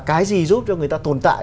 cái gì giúp cho người ta tồn tại